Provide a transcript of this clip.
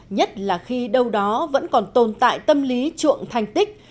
nhất là khi đâu đó vẫn còn tồn tại tâm lý chuộng thành tích